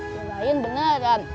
yang lain beneran